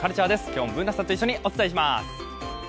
今日もＢｏｏｎａさんと一緒にお伝えします。